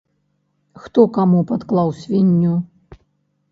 Хто каму падклаў свінню?